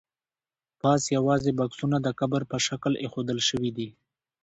پاس یوازې بکسونه د قبر په شکل ایښودل شوي دي.